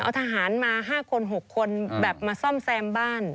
เอาทหารมา๕คน๖คนแบบมาซ่อมแซมบ้าน